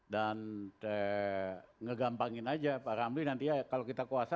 dan menggampangkan saja pak ramli nanti kalau kita kuasa